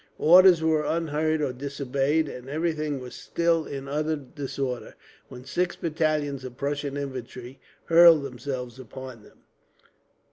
Orders were unheard or disobeyed, and everything was still in utter disorder, when six battalions of Prussian infantry hurled themselves upon them.